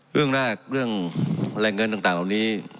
เรื่องแรกเรื่องแรงเงินต่างเหล่านี้